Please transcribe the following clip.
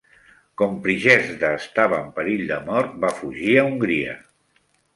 Com Prijezda estava en perill de mort, va fugir a Hongria.